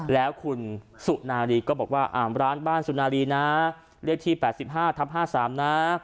แล้วคุณสุนารีก็บอกว่าร้านบ้านสุนารีนะเลขที่๘๕ทับ๕๓นะ